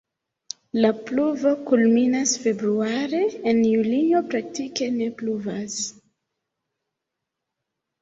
La pluvo kulminas februare, en julio praktike ne pluvas.